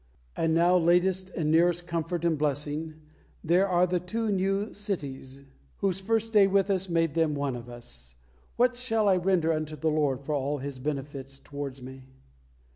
And now latest and nearest comfort and blessing, there are the two new "Sitties," whose first day with us made them one of us. What shall I render unto the Lord for all His benefits towards me?